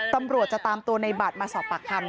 ตำรวจจะตามตัวในบัตรมาสอบปากคำ